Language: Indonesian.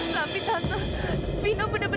tapi tante vino benar benar